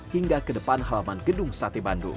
hingga ke depan halaman gedung sate bandung